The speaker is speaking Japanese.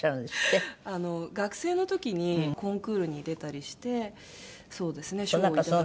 学生の時にコンクールに出たりしてそうですね賞をいただく事も。